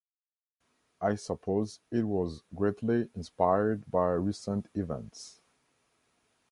I suppose it was greatly inspired by recent events.